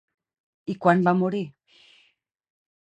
I quan va morir?